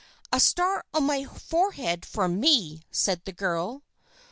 "A star on my forehead for me," said the girl.